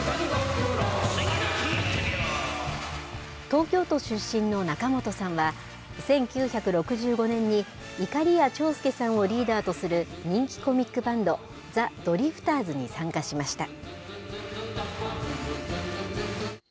東京都出身の仲本さんは、１９６５年にいかりや長介さんをリーダーとする人気コミックバンド、ザ・ドリフターズに参加しました。